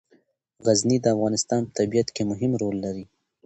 غزني د افغانستان په طبیعت کې مهم رول لري.